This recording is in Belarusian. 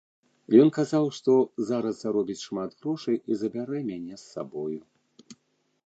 Ён казаў, што зараз заробіць шмат грошай і забярэ мяне з сабою.